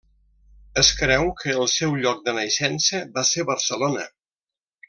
Es creu que el seu lloc de naixença va ser Barcelona.